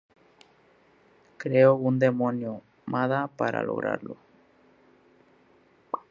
Creó un demonio, Mada, para lograrlo.